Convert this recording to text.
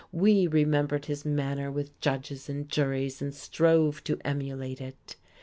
We remembered his manner with judges and juries, and strove to emulate it.